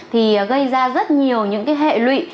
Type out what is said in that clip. thì gây ra rất nhiều những cái hệ lụy